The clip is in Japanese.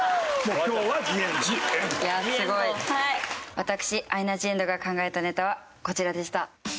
私アイナ・ジ・エンドが考えたネタはこちらでした。